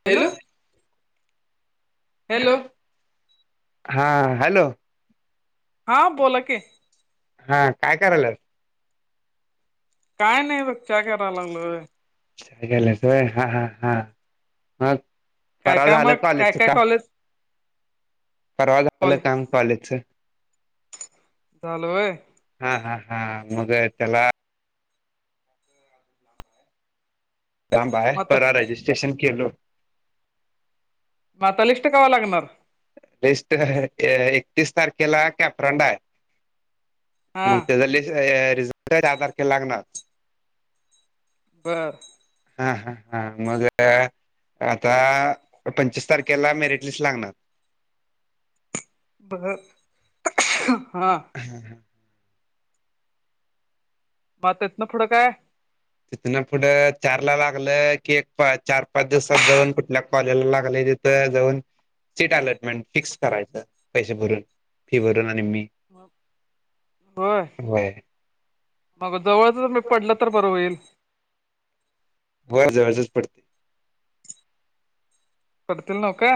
Hello hello हा hello हां बोलाकी हा काय करायल्यात काय नाही बघ च्या कराय लागलोय च्या घ्यायलास व्हय हा हा हा मग काय पररावा काय झालं मग काय कॉलेजच काय काम कॉलेज परवा झालं कॉलेज काम कॉलेजच झालं व्हय हा हा हा मग त्याला कांब हाय म आता परवा रेजिस्ट्रेशन केलो मग आता लीस्ट कवा लागणार लिस्ट एकतीस तारखेला कॅपराउंड हाय हा मग त्याचा रिझल्ट दहा तारखेला लागणार बर हा हा हा मग आता पंचवीस तारखेला मेरिट लिस्ट लागणार बर हा म हा हा मग तिथनं पुढं काय तिथनं पुढं चारला लागलं की एक चार पाच दिवसात जाऊन कुठल्या कॉलेजला लागलय तिथं जाऊन सीट अलॉटमेंट फिक्स करायचं पैसे भरून फी भरून आणि मी होय मग जवळच पडलं तर बरं होईल व्हय जवळचच पडतय बघतील न्हवका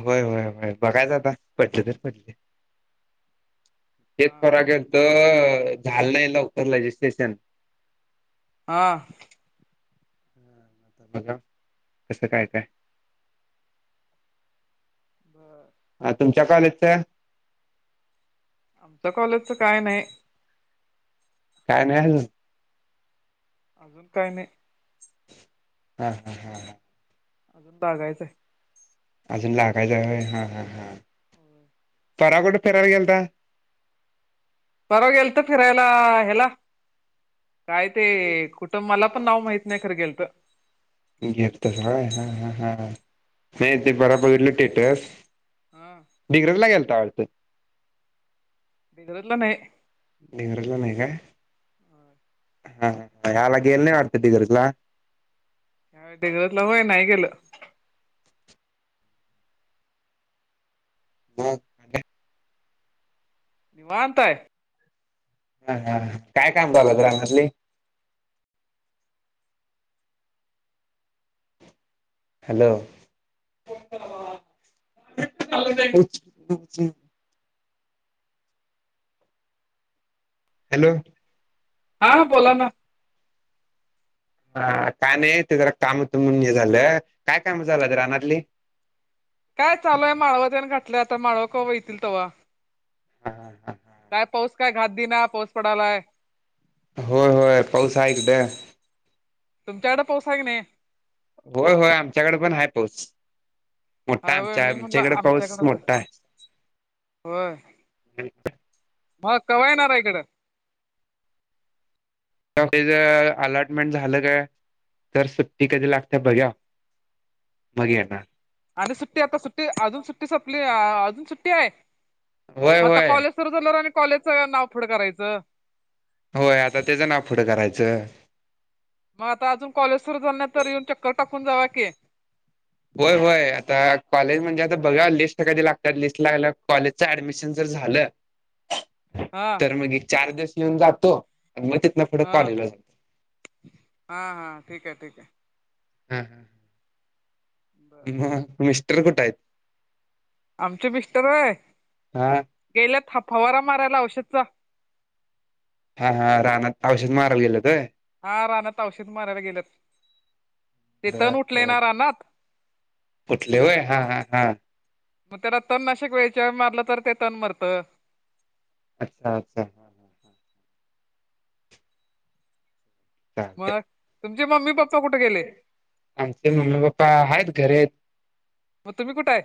होय होय होय बघायच आता पडले तर पडले एक [unintelligible] तर झालं नाही लवकर रजिस्ट्रेशन हां. आता बघा कसं काय काय? बरं हा तुमच्या कॉलेजचं. तर कॉलेजचं काय नाही काय नाही अजून अजून काही नाही हा हा हा अजून बगायचं अजून लागायचंय व्हय हा हा हा व्हय. परवा कुठं फिरयला गेलता. परवा गेलतो फिरायला हे ला. काय ते कुठं मला पण नाव माहित नाही खरं गेलतं. घेतलय हा ह ह नाही ते परवा बघितलं स्टेटस. हा डिग्रज ला गेलता वाटतं डिग्रज ला नाही. डिग्रज नाही का? हा ह्या वेळेला गेल नाही वाढत डिग्रज ला? डिग्रज ला व्हय नाही गेलो. हा. निवांत हाय. हा हा काय काम चालू आहित रानातलि? हॅलो [unintelligible] हॅलो हां बोला ना. हा का नाही ते जरा काम त म्हणून हे झालं काय काम चालू हाईत रानातली? काय चालू आहे माळव त्यान घातलं आता माळवा कवा येतील तव्हा हा हा हा. काय पाऊस काय घात दिना, पाऊस पडालाय. होय होय पाऊस हाय इकडं. तुमच्याकडे पाऊस हाय काय नाही? होय होय आमच्याकडे पण आहे पाऊस. मोठा हाय होय आमच्या मी म्हटलं आमच्याकड पाऊस आमच्याकडच मोठा आहे. होय मग कवा येणार इकडं? जर [unintelligible] अलॉटमेंट झालं, काय तर सुट्टी कधी लागते बघुया. मग येणार आणि सुट्टी, आता सुट्टी अजून सुट्टी सपली अजून सुट्टी आहे होय मग आता होय कॉलेज सुरू झाल्यावर आणि कॉलेजचं नाव पुढं करायचं. होय आता त्याचं नाव पुुढं करायचं. मग आता अजून कॉलेज सुरू झाल नाही, तर येऊन चक्कर टाकून जावा कि. होय होय आता कॉलेज म्हणजे आता बघा लिस्ट कधी लागतात लिस्ट लागयला कॉलेज ऍडमिशन जर झालं हा. तर मग चार दिवस येऊन जातो आणि तिथनं मग हा, हा हा ठीक आहे ठीक आहे. हम बर ह मिस्टर कुठं आहेत? आमचे मिस्टर होय हा गेल्यात फवारा मारायला औषधच. हा हा रानात औषध माराय गेल्यात व्हय. हा रानात औषध मारायला गेलेत, ते तन उठलेय ना रानात. उठलय होय हा हा हा. मग त्याला तण नाशक वेळच्या वेळी मारलं तर ते तण मरत. अच्छा अच्छा चालतय मग तुमचे मम्मी, पप्पा कुठे गेले आमचे मम्मी, पप्पा आहेत घरी आहेत. म तुम्ही कुठं आहे?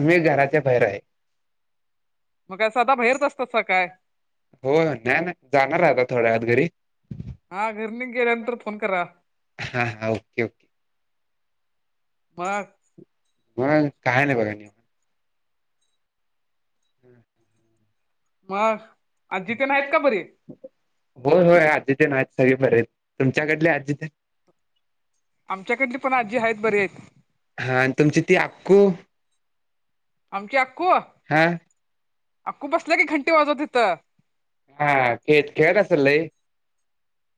मी घराच्या बाहेर हाय. मग काय सदा बाहेरच असतासा काय? ओ नाही ना जाणार हाय थोड्या वेळात घरी. हा घर तेन गेल्यानंतर फोन करा. हा हा ओके ओके. मग‌? म काय नाही बघा हम्म मग आज्जीतन आहेत का बरी? हो होय आज्जीतन आहेत सगळी बरे तुमच्याकडले आज्य आमच्याकडली पण आजी आहेत बरी आहेत. हा आणि तुमची ती अक्कू? आमची अक्कू हा अक्कू बसल्या की घंटी वाजवत हीत हा खे खेळत असेल लय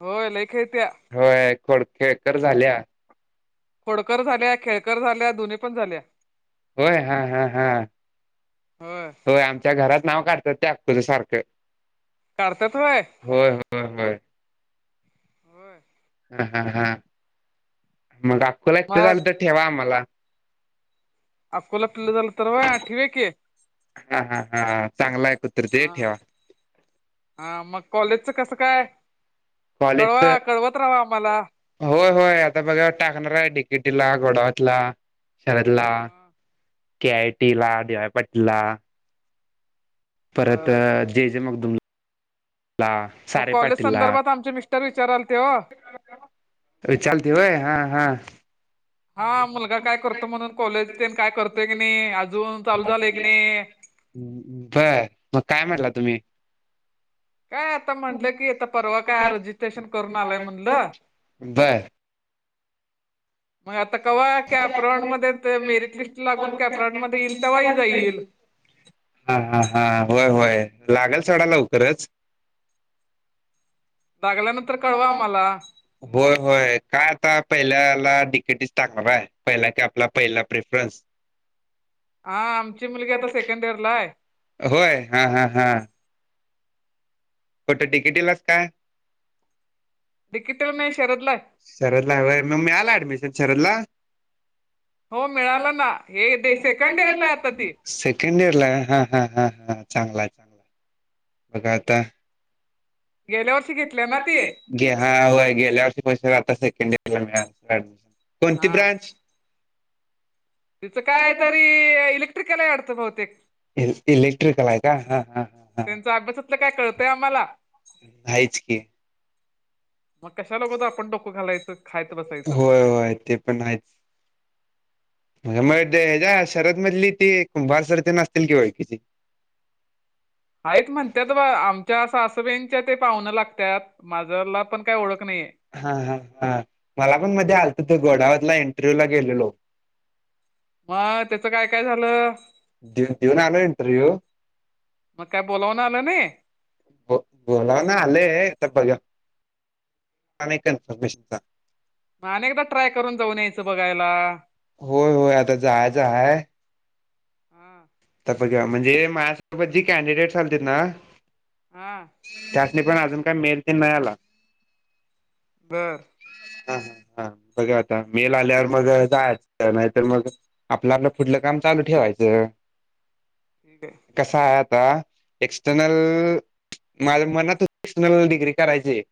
होय लय खेळत्या. होय खोड, खेळकर झाल्या खोडकर झाल्या खेळकर झाल्या दोन्ही पण झाल्या. होय हा हा हा होय आमच्या घरात नाव काढतात ते अखुझ सारखं. काढतात होय. होय होय होय. हो. ह हा हा मग आपखं लाटं मग झालं तर ठेवा आम्हाला. अकला पिले झाला तरर व आठ वे क [unintelligible] हा हा हा चांगला आहे कुत्र ते हा ठेवा. हा मग कॉलेजचं कसं काय कॉलेजच कळवा कळवत राहावा आम्हाला. होय होय आता बघा टाकणार आहे डिकेटीला गोडावतला. शरद ला के आय टी ला डीवाय पाटील ला. परत बर जे जे मगदुमला मग सारे कॉलेज पाटीलला संदर्भात आमचे मिस्टर विचाराल तेव. रिचा आरती होय हा हा. हा मुलगा काय करतो म्हणून कॉलेज काय करतोय की नाही अजून चालू झालेय की नाही. बर मग काय म्हटलं तुम्ही. काय आता म्हणलं की आता परवा काय रजिस्ट्रेशन करून आलंय म्हटलं. व [inaudible] मध्ये मेरिट लिस्ट लागून कॅपराऊंड मध्ये येईल तेव्हाही जाईल [unintelligible] हा हा हा होय होय लागेल सोडा लवकरच. लागल्यानंतर हो कळवा आम्हाला नका. होय होय काय आता पहिल्याला डिकेटीस टाकणार आहे पहिला की आपला पहिला प्रेफरन्स. हा आमची मुलगी आता सेकंड इयर ला आहे. होय हा हा हा. कुटं डिकेटीलास काय. डी के टी ल नाही शरदला हाय. शरद ला होय मग मिळालं ऍडमिशन शरदला हो मिळाला ना हे दे सेकंड इयर ला हाय ती. सेकंड इयर ला हा हां हां हां चांगला आहे. मग आत्ता गेल्याव [unintelligible] हा होय गेल्या वर्षी फस्ट आता सेकंड इयर ला मिळालं काय अडच [unintelligible] कोणती हा ब्रांच? तिचं काय तरी इलेक्ट्रिकल आहे वाढत बहुतेक. इल इलेक्ट्रिकल आहे काय हा हा हा हा. त्यांचा अभ्यासातलं काय कळतंय आम्हाला आहेयच की. मग कशाल होत आपण डोकं घालायचं खायत बसायचं. हो हो तेप पण हायच. मग द ह्याच्या शरद मधली ती कुंभार सर तीम आसतील कि ओळखीची. हायत म्हणतात बा आमच्या सासुबईंच्या ते पाहुण लागतात. म [unintelligible] पण काही ओळख नाहीये. हा हा हा मला पण मध्ये आलत ते घोडावतला एंटरव्ह्यू ला गेलेलो. म त्याचं काय काय झालं? दु दीऊन आलो इंटरव्ह्यू. मग काय बोलावन आलं नाही? ब बोलावन आलेय आता बघ्याव. [unintelligible] नाही कन्फर्मेशनचा. म आणि एकदा ट्राय करून जाऊन यायचं बघायला. होय होय आता जायचं हाय. हम्म आता बघा. म्हणजे मायासोबत जे कॅनडिडेट आलतेत ना हा त्यासनी पण अजून काय मेल तेन नाही आला. बर हा हा बघा आता. मेल आल्यावर मग जायच. नाहीतर मग आपल आपल पुढल काम चालू ठेवायच. [unintelligible] कसाय आता एक्सटर्नल माझ मनात होत डिग्री करायचीये.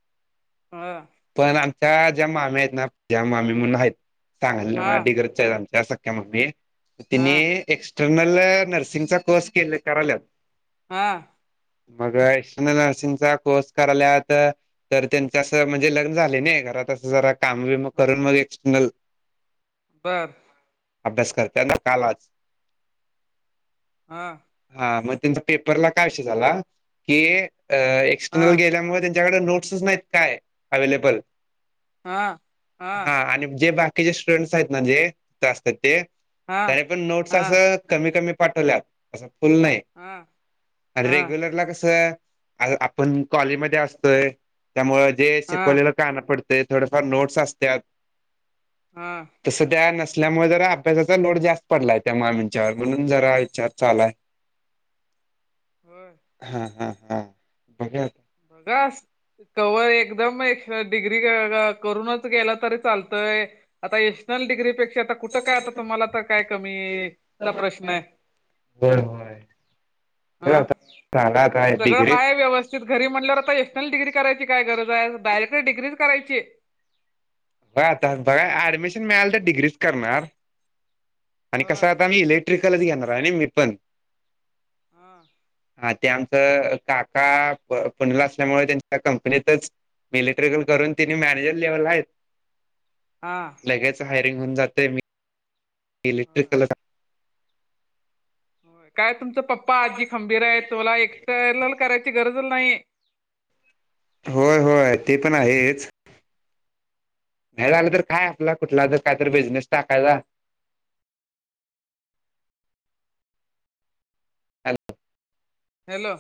हा पण आमच्या ज्या माम्या आहेत ना त्या मामी म्हणून आहेत. सांगायला हा डिग्रजच्या आहेत आमच्या अस हा तीनी एक्सटर्नल नर्सिंगचा कोर्स केले काराल्यात. हा मग एक्स्टर्नल नर्सिंगचा कोर्स कराल्यात. तर त्यांच असं म्हणजे लग्न झाले नाही. घरात असं जरा काम बीम करून मग एक्सटर्नल [unintelligible] अभ्यास करतात ना काल आज. हा हा मग त्यांचा पेपरला काय विषय झाला. की एक्सटर्नल गेल्यामुळ त्यांच त्यांच्याकड नोट्स नाहीत काय अवेलेबल. हा आणि जे बाकी स्टुडंटस आहेत ना जे असतात ते. त्याने पण नोटस अस कमी कमी पाठवल्यात. अस फुल नाही. आणि रेग्युलरला कस आपण कॉलेजमध्ये असतोय. त्यामुळे जे शिकवलेल कानावर पडतय. थोडेफार नोट्स असत्यात. हा तस त्या नसल्यामुळे जरा अभ्यासाचा लोड जास्त पडलाय त्या मामींवर. विचार म्हणून जरा विचार चालू हाय. हा हा हा बघा [unintelligible] कवर एकदम एक डिग्री करूनच गेलं तरी चालतय. आता एशनल डिग्रीपेक्षा आता कुठं काय आता तुम्हाला तर काय कमीचा प्रश्न आहे. होय होय हा याला काय सगळं डिग्री हाय व्यवस्थित घरी म्हणल्यावर आता एशनल डिग्री करायची काय गरज आहे. डायरेक्ट डिग्री करायची. बघ आता बघा ऍडमिशन मिळाल तर मी डिग्रीच करणार. आणि कस होय आता मी इले ट्रिकलच घेणार आहे नी मी पण. हा हा ते आमचं काका पुण्याला असल्यामुळ त्यांच्या कंपनीतच इलेक्ट्रिकल करून तिनी हा मॅनेजर लेवलला हायत. हा हायरिंग होऊन जात मी‌ इलेक्ट्रिकल होय. काय तुमच पप्पा आजी खंबीर आहे. तुला एस्टनल करायची गरजच नाही. होय होय ते पण आहेच. नाही झालं तर काय, आपला कुठला तर काय बिझनेस टाकायचा. हॅलो हॅलो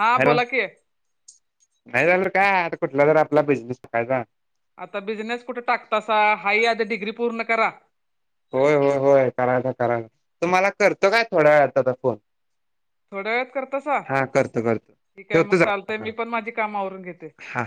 हा हॅलो बोला की नाही झाल काय आता कुठला तर आपला बिझनेस टाकायचा. आता बिझनेस कुठे टाकतासा. हाई आधी डिग्री पूर्ण करा. होय होय होय करायच करायच. तुम्हाला करतो काय थोड्या वेळात आता फोन. थोड्या वेळात करतसा. हा करतो करतो ठिक आहे मग ठेवतो चालतय जरा मी पण माझी काम आवरून घेते‌. हा हा